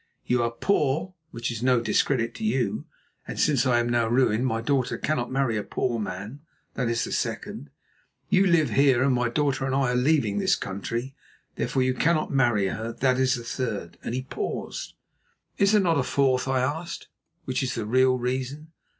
You are poor, which is no discredit to you, and since I am now ruined my daughter cannot marry a poor man; that is the second. You live here, and my daughter and I are leaving this country, therefore you cannot marry her; that is the third," and he paused. "Is there not a fourth," I asked, "which is the real reason?